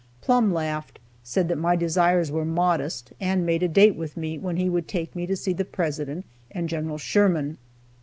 Plumb laughed, said that my desires were modest, and made a date with me when he would take me to see the President and Gen. Sherman.